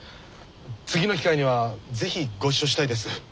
次の機会には是非ご一緒したいです。